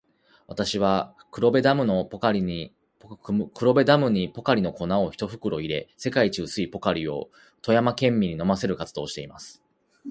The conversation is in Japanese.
私は、黒部ダムにポカリの粉を一袋入れ、世界一薄いポカリを富山県民に飲ませる活動をしています。